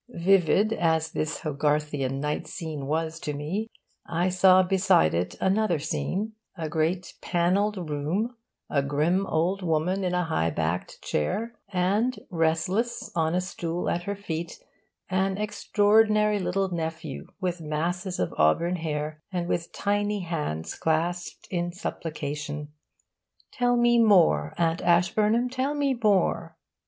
Vivid as this Hogarthian night scene was to me, I saw beside it another scene: a great panelled room, a grim old woman in a high backed chair, and, restless on a stool at her feet an extraordinary little nephew with masses of auburn hair and with tiny hands clasped in supplication 'Tell me more, Aunt Ashburnham, tell me more!